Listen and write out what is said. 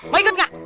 mau ikut gak